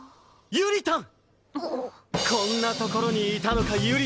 ゆりたん！